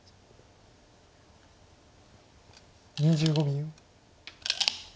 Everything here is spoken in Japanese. ２５秒。